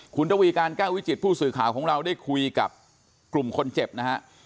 คุณทวีการแก้ววิจิตผู้สื่อข่าวของเราได้คุยกับกลุ่มคนเจ็บนะฮะ